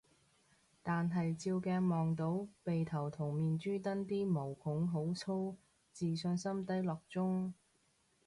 但係照鏡望到鼻頭同面珠墩啲毛孔好粗，自信心低落中